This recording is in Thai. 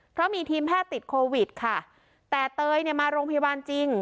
เพราะมีทีมแพทย์ติดโควิดค่ะแต่เตยเนี่ยมาโรงพยาบาลจริง